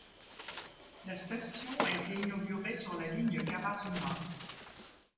La station a été inaugurée le sur la ligne Karasuma.